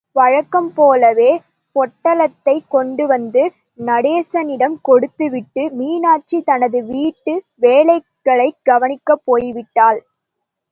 வழக்கம் போலவே, பொட்டலத்தைக் கொண்டுவந்து நடேசனிடம் கொடுத்துவிட்டு, மீனாட்சி தனது வீட்டு வேலைகளைக் கவனிக்கப் போய்விட்டாள்.